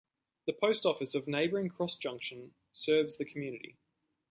The post office of neighboring Cross Junction serves the community.